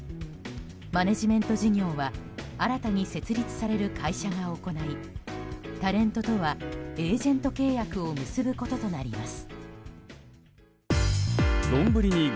マネジメント事業は新たに設立される会社が行いタレントとはエージェント契約を結ぶこととなります。